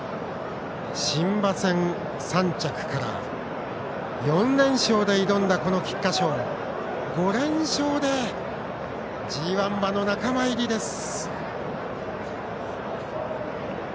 新馬戦３着から４連勝で挑んだこの菊花賞で５連勝でＧＩ馬の仲間入りです。